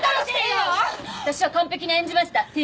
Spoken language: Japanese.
私は完璧に演じました。